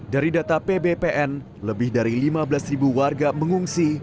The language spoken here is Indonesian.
dari data pbpn lebih dari lima belas ribu warga mengungsi